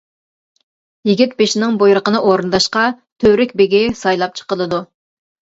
يىگىت بېشىنىڭ بۇيرۇقىنى ئورۇنداشقا تۈۋرۈك بېگى سايلاپ چىقىلىدۇ.